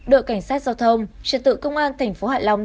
đội cảnh sát giao thông trật tự công an thành phố hạ long